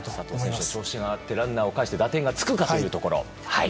佐藤選手の調子が上がってランナーをかえして打点がつくかというところ。